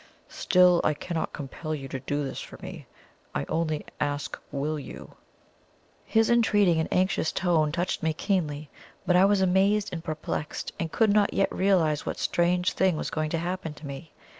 Still, I cannot compel you to do this for me I only ask, WILL you?" His entreating and anxious tone touched me keenly; but I was amazed and perplexed, and could not yet realize what strange thing was going to happen to me.